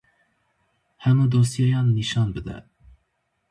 Hemû dosyeyan nîşan bide.